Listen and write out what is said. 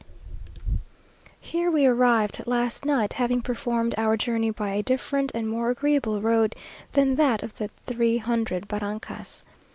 Here we arrived last night, having performed our journey by a different and more agreeable road than that of the "three hundred barrancas."